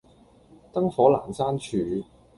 燈火闌珊處